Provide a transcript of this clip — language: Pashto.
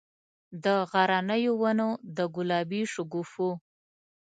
د غرنیو ونو، د ګلابي شګوفو،